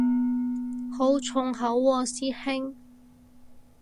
好重口喎師兄